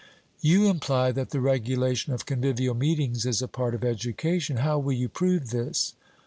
'You imply that the regulation of convivial meetings is a part of education; how will you prove this?'